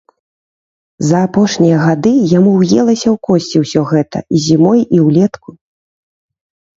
За апошнія гады яму ўелася ў косці ўсё гэта і зімой, і ўлетку.